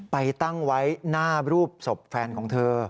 ไปตั้งไว้หน้ารูปศพแฟนของเธอ